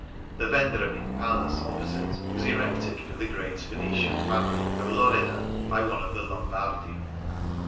The Vendramin Palace opposite was erected for the great Venetian family of Loredan by one of the Lombardi.